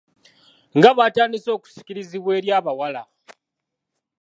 Nga batandise okusikirizibwa eri abawala.